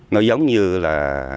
nó giống như là